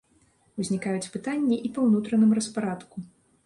Узнікаюць пытанні і па ўнутраным распарадку.